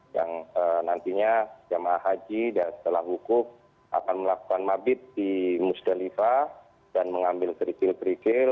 yang nantinya jemaah haji setelah hukuf akan melakukan mabit di musdalifah dan mengambil serikil berikil